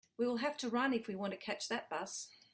We will have to run if we want to catch that bus.